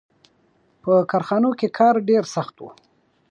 • په کارخانو کې کار ډېر سخت و.